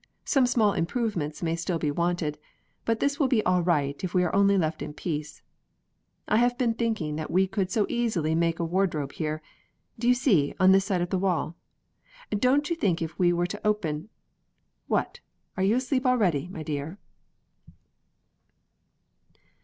Some small improvements may still be wanted, but this will be all right if we are only left in peace. I have been thinking that we could so easily make a wardrobe here: do you see on this side of the wall don't you think if we were to open What! are you asleep already, my dear?"